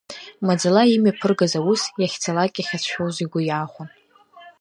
Маӡала имҩаԥыргаз аус иахьцалак иахьацәшәоз игәы иаахәон.